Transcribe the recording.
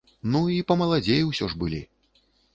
Ну, і памаладзей усё ж былі.